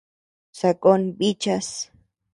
Sakón bíchas.